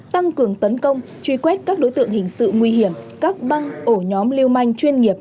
tấn công truy quét các đối tượng hình sự nguy hiểm các băng ổ nhóm liêu manh chuyên nghiệp